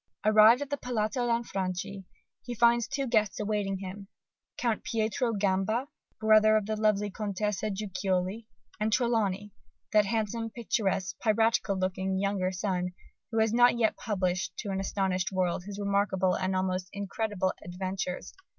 Arrived at the Palazzo Lanfranchi, he finds two guests awaiting him, Count Pietro Gamba, brother of the lovely Contessa Guiccioli, and Trelawny, that handsome, picturesque, piratical looking "Younger Son," who has not yet published to an astonished world his remarkable and almost incredible "Adventures."